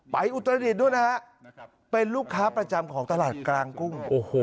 อุตรดิษฐ์ด้วยนะฮะเป็นลูกค้าประจำของตลาดกลางกุ้ง